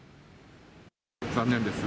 残念です。